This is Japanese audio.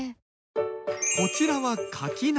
こちらはかき菜。